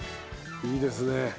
いいですね。